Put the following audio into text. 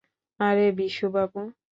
আরে বিশু বাবু।